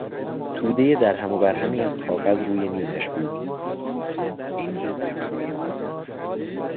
تودهی درهم و برهمی از کاغذ روی میزش بود.